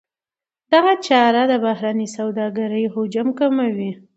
دغه چاره د بهرنۍ سوداګرۍ حجم کموي.